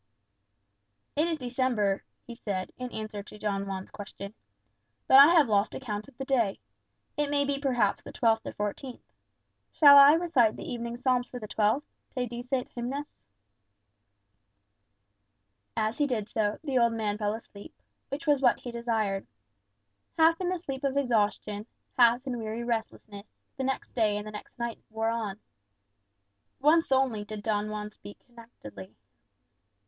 "It is December," he said, in answer to Don Juan's question; "but I have lost account of the day. It may be perhaps the twelfth or fourteenth. Shall I recite the evening psalms for the twelfth, 'Te dicet hymnus'?" As he did so, the old man fell asleep, which was what he desired. Half in the sleep of exhaustion, half in weary restlessness, the next day and the next night wore on. Once only did Don Juan speak connectedly.